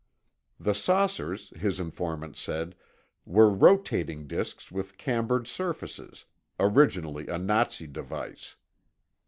The saucers, his informant said, were rotating disks with cambered surfaces—originally a Nazi device.